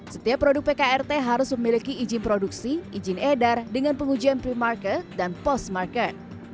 setiap produk pkrt harus memiliki izin produksi izin edar dengan pengujian premarket dan postmarket